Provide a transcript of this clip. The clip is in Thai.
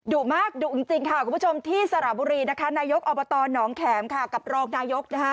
ดุมากดุจริงที่สระบุรีนายกอบตน้องแขมกับรองนายก